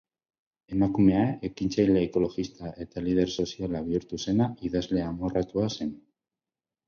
Emakumea, ekintzaile ekologista eta lider soziala bihurtu zena, idazle amorratua zen.